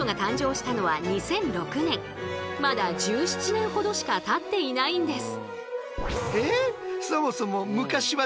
実はまだ１７年ほどしかたっていないんです。